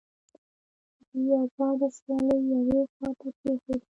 دوی آزاده سیالي یوې خواته پرېښوده